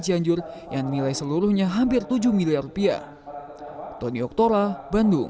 cianjur yang nilai seluruhnya hampir tujuh miliar rupiah tony oktora bandung